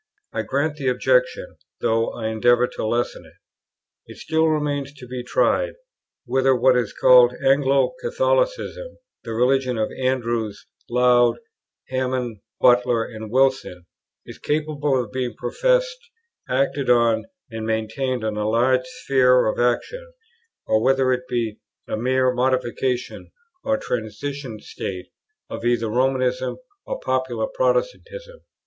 I grant the objection, though I endeavour to lessen it: "It still remains to be tried, whether what is called Anglo Catholicism, the religion of Andrewes, Laud, Hammond, Butler, and Wilson, is capable of being professed, acted on, and maintained on a large sphere of action, or whether it be a mere modification or transition state of either Romanism or popular Protestantism."